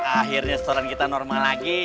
akhirnya setoran kita normal lagi